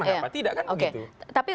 kenapa tidak kan begitu